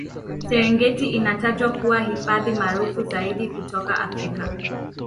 serengeti inatajwa kuwa hifadhi maarufu zaidi kutoka africa